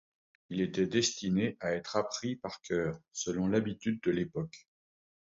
Il était destiné à être appris par cœur, selon l'habitude de l'époque.